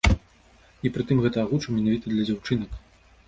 І прытым гэта агучыў менавіта для дзяўчынак.